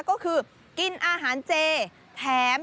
ก็คือกินอาหารเจแถม